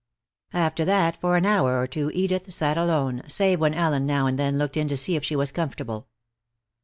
After that for an hour or two Edith sat alone, save when Ellen now and then looked in to see if she was comfortable.